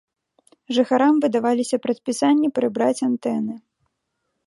Жыхарам выдаваліся прадпісанні прыбраць антэны.